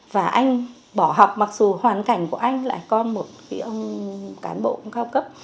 và anh bỏ học mặc dù hoàn cảnh của anh là con một cái ông cán bộ cao cấp